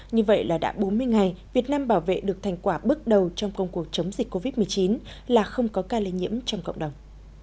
như vậy là đã bốn mươi ngày việt nam bảo vệ được thành quả bước đầu trong công cuộc chống dịch covid một mươi chín là không có ca lây nhiễm trong cộng đồng